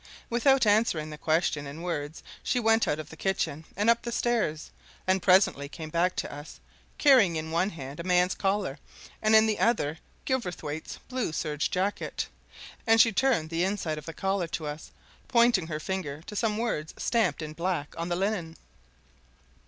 Without answering the question in words she went out of the kitchen and up the stairs, and presently came back to us, carrying in one hand a man's collar and in the other Gilverthwaite's blue serge jacket. And she turned the inside of the collar to us, pointing her finger to some words stamped in black on the linen.